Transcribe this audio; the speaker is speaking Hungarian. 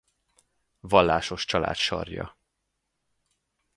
Vallásos család sarja.